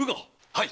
はい。